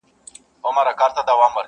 خپل ټبرشو را په یاد جهان مي هیر سو!.